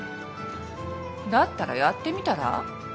だったらやってみたら。